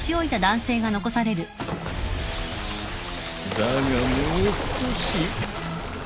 だがもう少し。